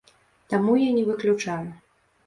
Таму я не выключаю.